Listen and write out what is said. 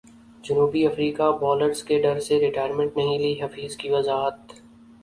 جنوبی افریقی بالرز کے ڈر سے ریٹائرمنٹ نہیں لی حفیظ کی وضاحت